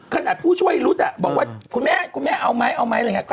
ขนาดผู้ช่วยรุดบอกว่าคุณแม่คุณแม่เอาไหมเอาไหมอะไรอย่างนี้